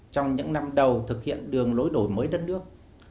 trong những năm đầu thực hiện đường lối đổi mới đất nước